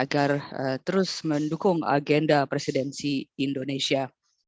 agar terus mendukung agenda presidensi indonesia